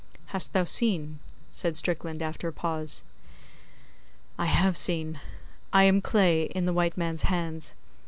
'Hast thou seen?' said Strickland after a pause. 'I have seen. I am clay in the white man's hands.